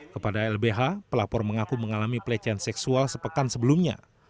kepada lbh pelapor mengaku mengalami pelecehan seksual sepekan sebelumnya